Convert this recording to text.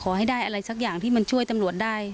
ให้ได้อะไรสักอย่างที่มันช่วยตำรวจได้